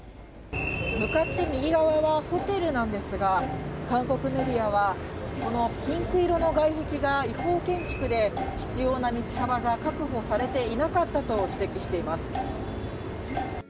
向かって右側はホテルなんですが、韓国メディアは、このピンク色の外壁が違法建築で、必要な道幅が確保されていなかったと指摘しています。